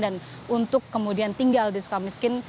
dan untuk kemudian tinggal di sukamiskin